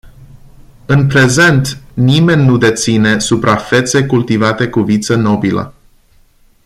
În prezent nimeni nu deține suprafețe cultivate cu viță nobilă.